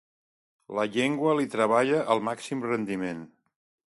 La llengua li treballa al màxim rendiment.